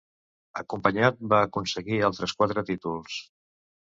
Acompanyat, va aconseguir altres quatre títols.